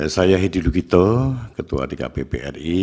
saya hedi lugito ketua dkpp ri